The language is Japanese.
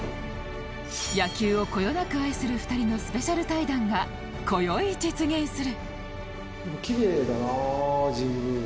野球をこよなく愛する２人のスペシャル対談が今宵実現する